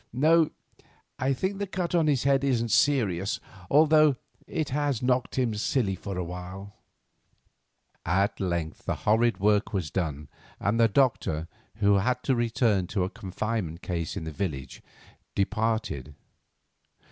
No, I think the cut on his head isn't serious, although it has knocked him silly for a while." At length the horrid work was done, and the doctor, who had to return to a confinement case in the village, departed.